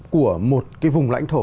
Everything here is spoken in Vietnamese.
của một cái vùng lãnh thổ